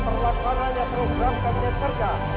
terlepas parahnya program kerja kerja